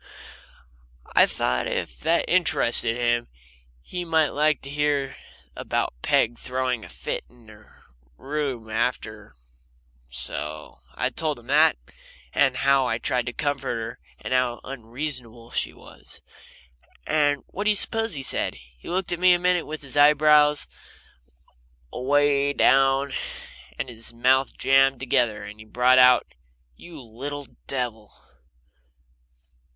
I thought if that interested him he might like to hear about Peg throwing a fit in her room after, so I told him that, and how I tried to comfort her, and how unreasonable she was. And what do you suppose he said? He looked at me a minute with his eyebrows away down, and his mouth jammed together, and then he brought out: "You little devil!"